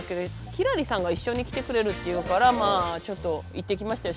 輝星さんが一緒に来てくれるっていうからまあちょっと行ってきましたよ